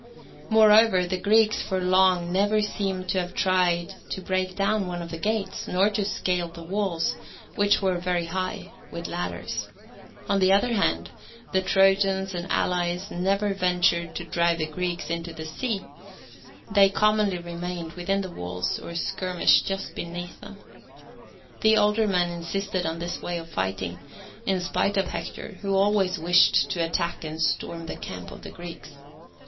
Moreover, the Greeks for long never seem to have tried to break down one of the gates, nor to scale the walls, which were very high, with ladders. On the other hand, the Trojans and allies never ventured to drive the Greeks into the sea; they commonly remained within the walls or skirmished just beneath them. The older men insisted on this way of fighting, in spite of Hector, who always wished to attack and storm the camp of the Greeks.